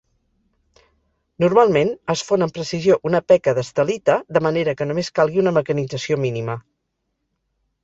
Normalment es fon amb precisió una peca d'estelita, de manera que només calgui una mecanització mínima.